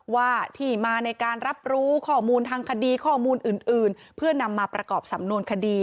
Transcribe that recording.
ว่าที่มาในการรับรู้ข้อมูลทางคดีข้อมูลอื่นเพื่อนำมาประกอบสำนวนคดี